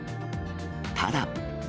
ただ。